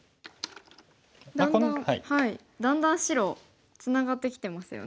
だんだん白ツナがってきてますよね。